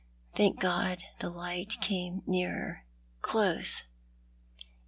Thank God the light came nearer — close.